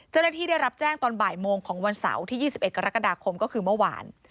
เจ้าหน้าที่ได้รับแจ้งตอนบ่ายโมงของวันเสาร์ที่ยี่สิบเอ็ดกรกฎาคมก็คือเมื่อวาน